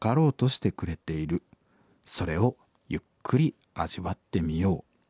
それをゆっくり味わってみよう」。